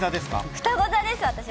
ふたご座です。